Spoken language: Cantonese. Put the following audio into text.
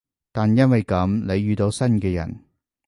但因為噉，你遇到新嘅人